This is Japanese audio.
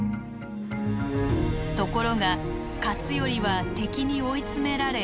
ところが勝頼は敵に追い詰められ自害。